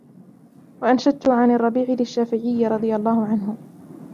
وَأَنْشَدْت عَنْ الرَّبِيعِ لِلشَّافِعِيِّ رَضِيَ اللَّهُ عَنْهُ